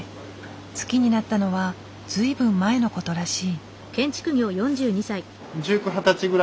好きになったのは随分前のことらしい。